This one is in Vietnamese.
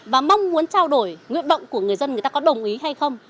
và mong muốn trao đổi nguyện động của người dân người ta có đồng ý hay không